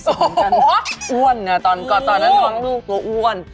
อู้นเนี่ยอันดับเนี่ยเกิดด้วยกับลูก